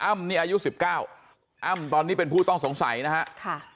นี่อายุ๑๙อ้ำตอนนี้เป็นผู้ต้องสงสัยนะฮะค่ะ